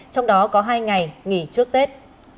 trong đó có hai ngày nghỉ trước tết